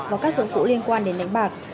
và các dụng cụ liên quan đến đánh bạc